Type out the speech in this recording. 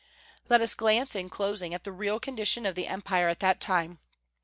Let us glance, in closing, at the real condition of the Empire at that time.